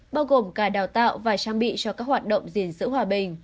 bao gồm cả đào tạo và trang bị cho các hoạt động diễn sự hòa bình